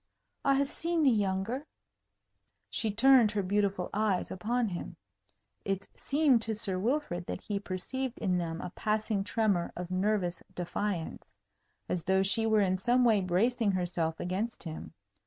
"I have seen the younger." She turned her beautiful eyes upon him. It seemed to Sir Wilfrid that he perceived in them a passing tremor of nervous defiance, as though she were in some way bracing herself against him.